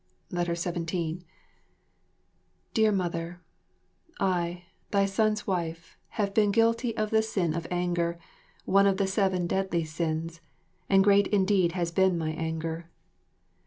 17 My Dear Mother, I, thy son's wife, have been guilty of the sin of anger, one of the seven deadly sins and great indeed has been my anger.